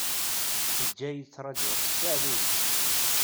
Taǧǧa-yi ttrajuɣ ssaɛa d uzgen.